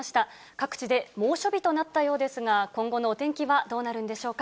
各地で猛暑日となったようですが、今後のお天気はどうなるんでしょうか。